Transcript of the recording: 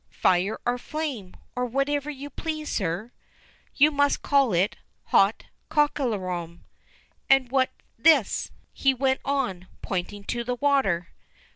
"Fire or flame, or whatever you please, sir." "You must call it 'hot cockalorum.' And what, this?" he went on, pointing to the water.